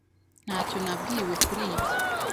Ntacyo nabwiwe kuri ibyo.